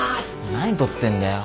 何撮ってんだよ？